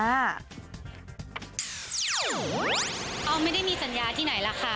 เอาไม่ได้มีสัญญาที่ไหนล่ะค่ะ